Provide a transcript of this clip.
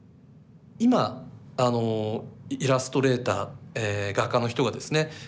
今あのイラストレーター画家の人がですね